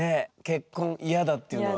「結婚イヤだ」っていうのは？